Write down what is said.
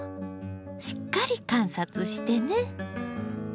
しっかり観察してね。